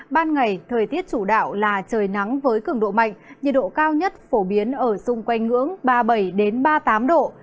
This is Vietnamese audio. ban ngày thời tiết chủ đạo là trời nắng với cường độ mạnh nhiệt độ cao nhất phổ biến ở xung quanh ngưỡng ba mươi bảy ba mươi tám độ